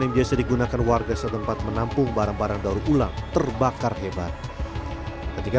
yang biasa digunakan warga setempat menampung barang barang daur ulang terbakar hebat ketika